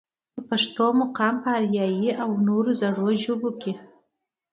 د پښتو مقام پۀ اريائي او نورو زړو ژبو کښې